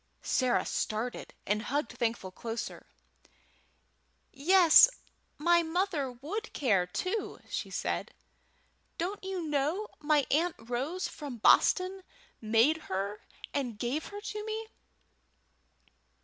Sarah started, and hugged Thankful closer. "Yes, my mother would care, too," said she. "Don't you know my Aunt Rose from Boston made her and gave her to me?"